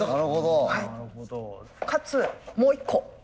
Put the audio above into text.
かつもう一個。